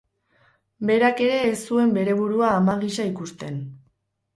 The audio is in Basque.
Berak ere ez zuen bere burua ama gisa ikusten.